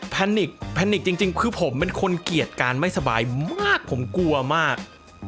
นิกแพนิกจริงคือผมเป็นคนเกลียดการไม่สบายมากผมกลัวมาก